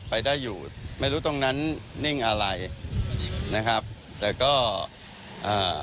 ไปได้อยู่ไม่รู้ตรงนั้นนิ่งอะไรนะครับแต่ก็อ่า